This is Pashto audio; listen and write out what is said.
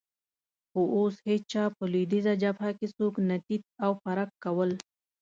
خو اوس هېڅ چا په لوېدیځه جبهه کې څوک نه تیت او پرک کول.